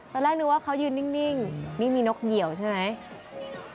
ตอนแรกนึกว่าเขายืนนิ่งนี่มีนกเหยี่ยวใช่ไหม